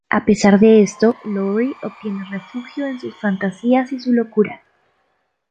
A pesar de esto, Lowry obtiene refugio en sus fantasías y su locura.